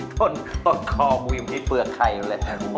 ต้นคอกูยังไม่ได้เปลือกใครอยู่เลย